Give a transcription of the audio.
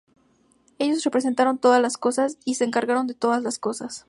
Ellos respetaron todas las cosas y se encargaron de todas las cosas.